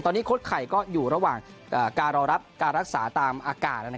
ตอนนี้โค้ดไข่ก็อยู่ระหว่างการรอรับการรักษาตามอาการ